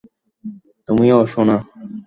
তুমিও, সোনা।